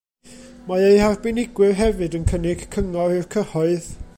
Mae eu harbenigwyr hefyd yn cynnig cyngor i'r cyhoedd.